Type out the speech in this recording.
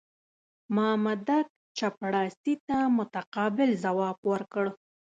مامدک چپړاسي ته متقابل ځواب ورکړ.